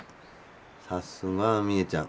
さすが美恵ちゃん。